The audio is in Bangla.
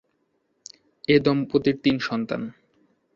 এ দম্পতির তিন সন্তান।